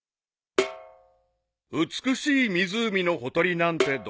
［美しい湖のほとりなんてどこにもない］